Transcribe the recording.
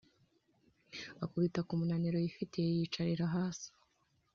akubitiye ku munaniro yifitiye, yiyicarira hasi,